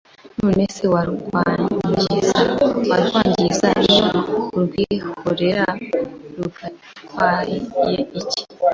none warwangiza iyo urwihoreye rugutwaye iki